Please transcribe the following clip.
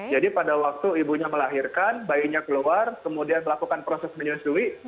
jadi pada waktu ibunya melahirkan bayinya keluar kemudian melakukan proses menyusui